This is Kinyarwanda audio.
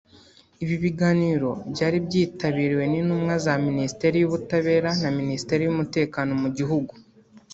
Ibi biganiro byari byitabiriwe n’intumwa za Minisiteri y’ubutabera na Minisiteri y’Umutekano mu gihugu